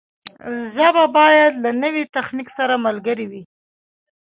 ژبه باید له نوي تخنیک سره ملګرې وي.